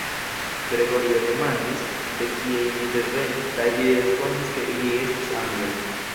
Gregorio demandis, de kie ili devenis, kaj ili respondis ke ili estis angloj.